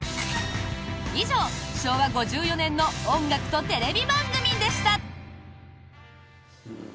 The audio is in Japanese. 以上、昭和５４年の音楽とテレビ番組でした。